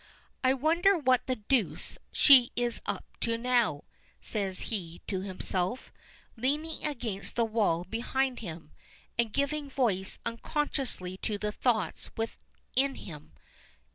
"I wonder what the deuce she's up to now," says he to himself, leaning against the wall behind him, and giving voice unconsciously to the thoughts within him.